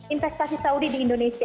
investasi saudi di indonesia